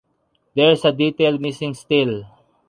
There is a detail missing still.